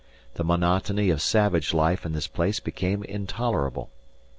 The monotony of savage life in this place became intolerable.